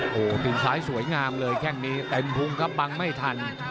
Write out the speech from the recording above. โหติดสายสวยงามเลยแข้งนี้แต่มิงภูมิครับบังไม่ทัน